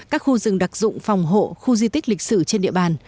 các khu rừng đặc dụng phòng hộ khu di tích lịch sử trên địa bàn